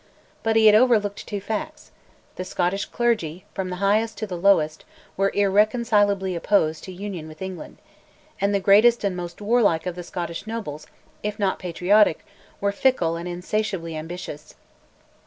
But he had overlooked two facts: the Scottish clergy, from the highest to the lowest, were irreconcilably opposed to union with England; and the greatest and most warlike of the Scottish nobles, if not patriotic, were fickle and insatiably ambitious.